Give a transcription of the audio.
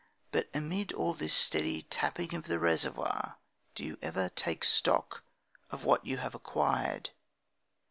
But amid all this steady tapping of the reservoir, do you ever take stock of what you have acquired?